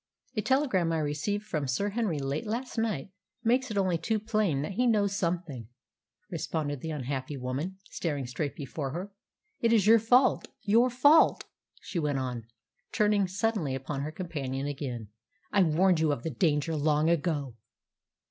"A telegram I received from Sir Henry late last night makes it only too plain that he knows something," responded the unhappy woman, staring straight before her. "It is your fault your fault!" she went on, turning suddenly upon her companion again. "I warned you of the danger long ago."